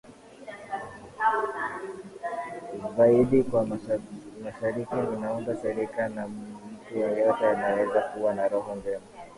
zaidi kwa mashariki ninaomba serikali na mtu yeyote anayeweza kuwa na roho njema